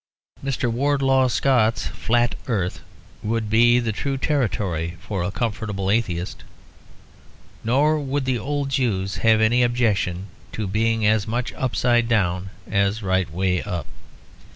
Mr. Wardlaw Scott's flat earth would be the true territory for a comfortable atheist. Nor would the old Jews have any objection to being as much upside down as right way up.